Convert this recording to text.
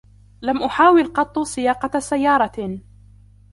لم أحاول قط سياقة سيارة.